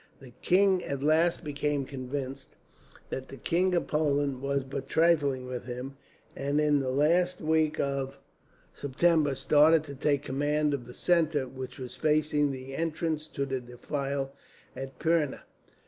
The king at last became convinced that the King of Poland was but trifling with him, and in the last week of September started to take the command of the centre, which was facing the entrance to the defile, at Pirna.